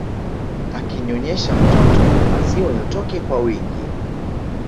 Akinyonyesha mtoto maziwa yatoke kwa wingi